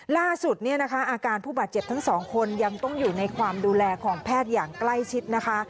ล่าสุดเนี่ยนะคะอาการผู้บาดเจ็บทั้งสองคนยังต้องอยู่ในความดูแลของแพทย์อย่างใกล้ชิดนะคะ